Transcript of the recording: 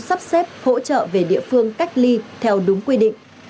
sắp xếp hỗ trợ về địa phương cách ly theo đúng quy định